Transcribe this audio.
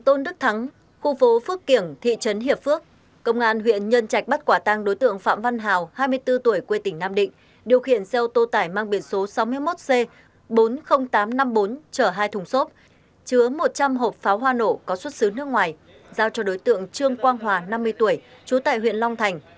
tôn đức thắng khu phố phước kiểng thị trấn hiệp phước công an huyện nhân trạch bắt quả tăng đối tượng phạm văn hào hai mươi bốn tuổi quê tỉnh nam định điều khiển xe ô tô tải mang biển số sáu mươi một c bốn mươi nghìn tám trăm năm mươi bốn chở hai thùng xốp chứa một trăm linh hộp pháo hoa nổ có xuất xứ nước ngoài giao cho đối tượng trương quang hòa năm mươi tuổi trú tại huyện long thành